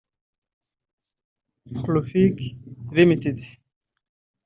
CloffiK Ldt